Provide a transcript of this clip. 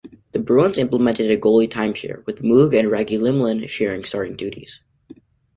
The Bruins implemented a goalie timeshare, with Moog and Reggie Lemelin sharing starting duties.